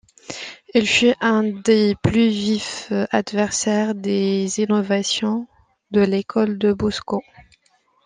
Il fut un des plus vifs adversaires des innovations de l'école de Boscan.